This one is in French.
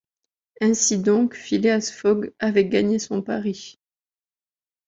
Ainsi donc Phileas Fogg avait gagné son pari.